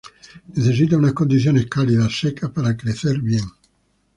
Necesita unas condiciones cálidas, secas para crecer bien.